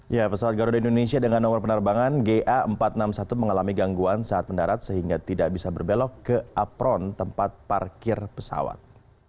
ya pesawat garuda indonesia dengan nomor penerbangan ga empat ratus enam puluh satu mengalami gangguan saat mendarat sehingga tidak bisa berbelok ke apron tempat parkir pesawat